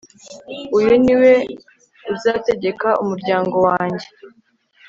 uyu ni we uzategeka umuryango wanjye